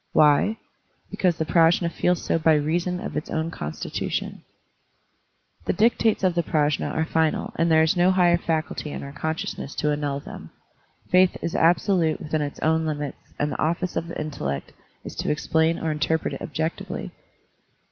Why? Because the Prajfi^ feels so by reason of its own constitution. The dictates of the Prajfi^ are final and there is no higher faculty in our consciousness to. annul them. Faith is absolute within its own limits and the office of the intellect is to explain or interpret it objectively.